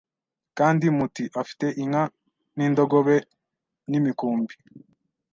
Kandi muti Afite inka n indogobe n imikumbi